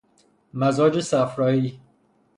مزاج صفرایی